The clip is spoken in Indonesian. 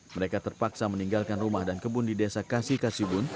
mereka terpaksa meninggalkan rumah dan kebun di desa kasih kasih bun